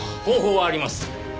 方法はあります。